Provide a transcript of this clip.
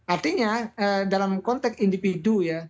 artinya dalam konteks individu ya